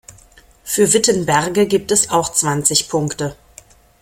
Für Wittenberge gibt es auch zwanzig Punkte.